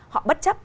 họ bất chấp